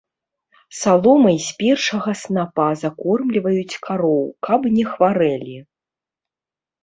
Саломай з першага снапа закормліваюць кароў, каб не хварэлі.